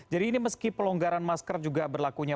jadi ini meski pelonggaran masker juga berlakunya